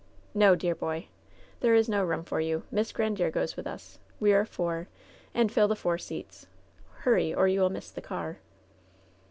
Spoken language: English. "No, dear boy. There is no room for you. Miss Grandiere goes with us. We are four, and fill the four seats. Hurry, or you will miss the car."